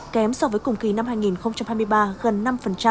kém so với cùng kỳ năm hai nghìn hai mươi ba gần năm